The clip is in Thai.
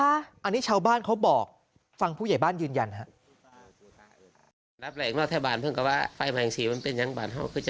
อันนี้ชาวบ้านเขาบอกฟังผู้ใหญ่บ้านยืนยันครับ